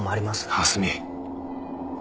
蓮見。